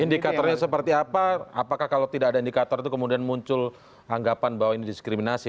indikatornya seperti apa apakah kalau tidak ada indikator itu kemudian muncul anggapan bahwa ini diskriminasi